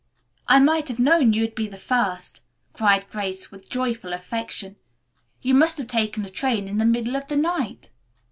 "I might have known you'd be the first," cried Grace with joyful affection. "You must have taken a train in the middle of the night."